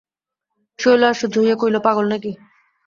শৈল আশ্চর্য হইয়া কহিল, পাগল নাকি!